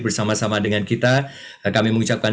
bersama sama dengan kita kami mengucapkan